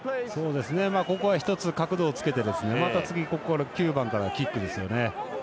ここは１つ、角度をつけてまた次、９番からキックですね。